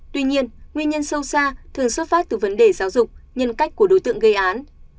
tuy nhiên nguyên nhân sâu xa thường xuất phát từ vấn đề giáo dục nhân cách của đối tượng gây án